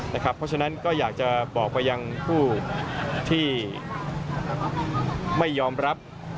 เพราะฉะนั้นก็อยากจะบอกไปยังผู้ที่ไม่ยอมรับ